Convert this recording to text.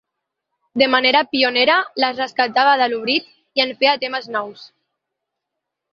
De manera pionera, les rescatava de l’oblit i en feia temes nous.